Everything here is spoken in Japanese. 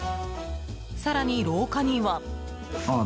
更に、廊下には。